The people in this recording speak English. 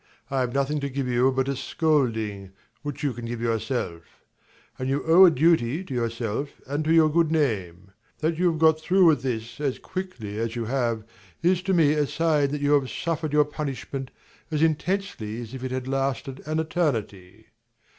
I have nothing to give you but a scolding, which you can give yourself. And you owe a duty to yourself and to your good name. That you have got through with this as quickly as you have is to me a sign that you have suffered your punishment as intensely as if it had lasted an eternity.